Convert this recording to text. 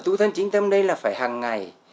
tu thân chính tâm đây là phải hàng ngày